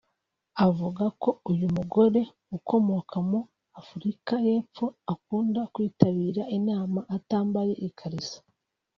avuga ko uyu mugore ukomoka mu Afurika y’Epfo akunda kwitabira inama atambaye ikariso